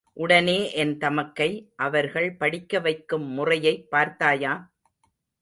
உடனே என் தமக்கை, அவர்கள் படிக்கவைக்கும் முறையைப் பார்த்தாயா?